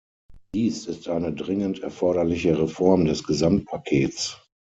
Dies ist eine dringend erforderliche Reform des Gesamtpakets.